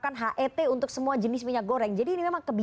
kita akan jeda terlebih dahulu